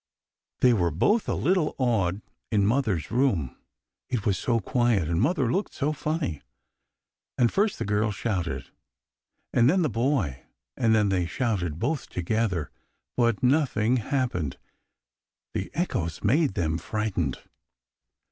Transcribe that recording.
They were both a little awed in mother's room. It was so quiet, and mother looked so funny. And first the girl shouted, and then the boy, and then they shouted both together, but nothing happened. The echoes made them frightened.